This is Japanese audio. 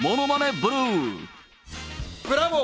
ブラボー！